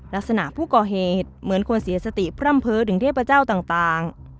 ลักษณะผู้ก่อเหตุเหมือนคนเสียสติพร่ำเพ้อถึงเทพเจ้าต่าง